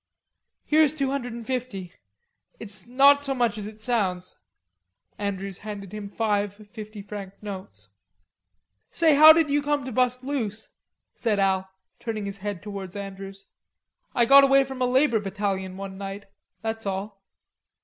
"Here's two hundred and fifty.... It's not so much as it sounds." Andrews handed him five fifty franc notes. "Say, how did you come to bust loose?" said Al, turning his head towards Andrews. "I got away from a labor battalion one night. That's all."